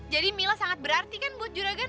jadi mila sangat berarti kan buat juragan